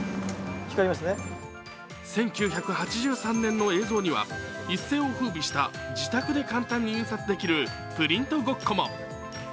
１９８３年の映像には一世をふうびした自宅で簡単に印刷できるプリントゴッコも。